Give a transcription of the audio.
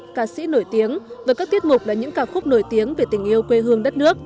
nhiều nghệ sĩ nổi tiếng và các tiết mục là những ca khúc nổi tiếng về tình yêu quê hương đất nước